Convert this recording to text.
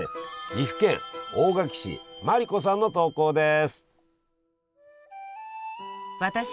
岐阜県大垣市まりこさんの投稿です。